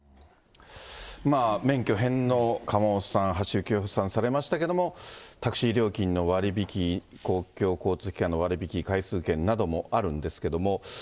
免許返納、釜本さん、橋幸夫さん、されましたけども、タクシー料金の割引、公共交通機関の割引、回数券などもあるんですけども。